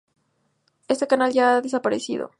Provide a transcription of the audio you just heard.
Este canal ya ha desaparecido.